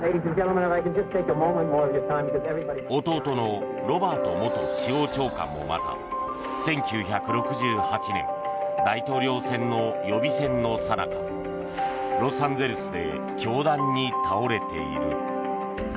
弟のロバート元司法長官もまた１９６８年大統領選の予備選のさなかロサンゼルスで凶弾に倒れている。